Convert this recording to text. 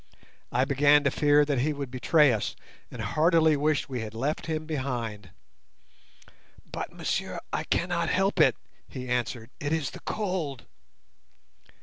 I began to fear that he would betray us, and heartily wished we had left him behind. "But, monsieur, I cannot help it," he answered, "it is the cold."